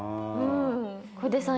小出さん